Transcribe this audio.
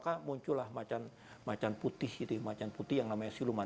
maka muncullah macan putih macan putih yang namanya siluman